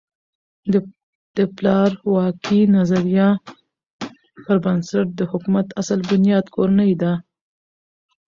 د پلار واکۍ نظریه پر بنسټ د حکومت اصل بنیاد کورنۍ ده.